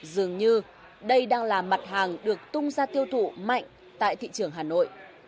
dường như đây đang là mặt hàng được tung ra tiêu thụ mạnh tại thị trường hà nội